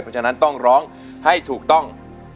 เพราะฉะนั้นต้องร้องให้ถูกต้อง